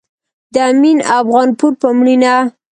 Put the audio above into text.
د امين افغانپور په مړينه